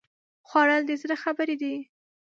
خوړل د زړه خبرې دي